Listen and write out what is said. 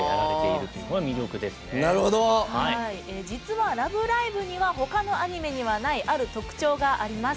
実は「ラブライブ！」にはほかのアニメにはないある特徴があります。